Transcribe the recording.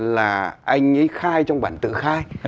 là anh ấy khai trong bản tự khai